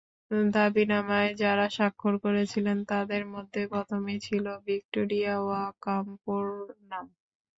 দাবিনামায় যাঁরা স্বাক্ষর করেছিলেন, তাঁদের মধ্যে প্রথমেই ছিল ভিক্টোরিয়া ওকাম্পোর নাম।